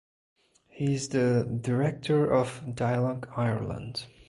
He is the director of Dialogue Ireland.